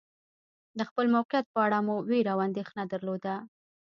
د خپل موقعیت په اړه مو وېره او اندېښنه درلوده.